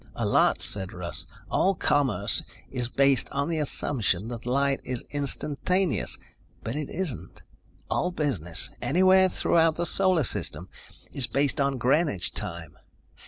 "A lot," said Russ. "All commerce is based on the assumption that light is instantaneous, but it isn't. All business, anywhere throughout the Solar System, is based on Greenwich time.